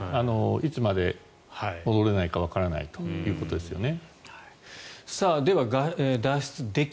いつまで戻れないかわからないということですよね。